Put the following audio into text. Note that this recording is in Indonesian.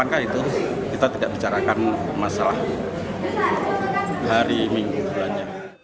kita tidak bicarakan masalah hari minggu bulannya